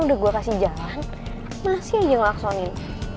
kan udah gue kasih jalan masih aja ngelaksonin